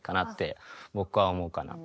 僕は思うかな。